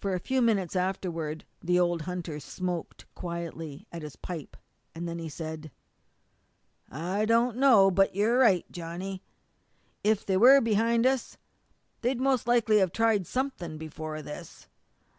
For a few moments afterward the old hunter smoked quietly at his pipe. Then he said: "I don't know but you're right, Johnny. If they were behind us they'd most likely have tried something before this.